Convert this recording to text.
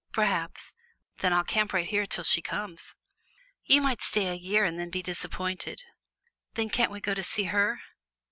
"Perhaps." "Then I'll camp right here till she comes!" "You might stay a year and then be disappointed." "Then can't we go to see her?"